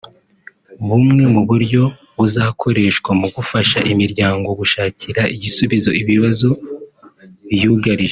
Bumwe mu buryo buzakoreshwa mu gufasha imiryango gushakira ibisubizo ibibazo biyugarije